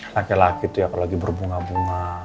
laki laki tuh yang lagi berbunga bunga